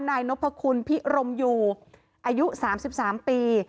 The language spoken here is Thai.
นายนพคุณพิรมอยู่อายุสามสิบสามปี